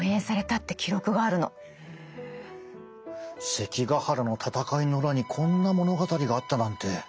関ヶ原の戦いの裏にこんな物語があったなんて。